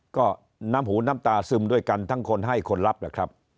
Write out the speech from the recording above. ก็น้ำหูน้ำตาซึมด้วยกันทั้งคนให้คนรับแหละครับ